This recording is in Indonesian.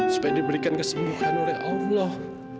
supaya diberikan kesembuhan oleh allah